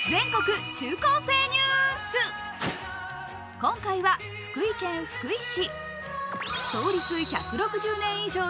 今回は福井県福井市。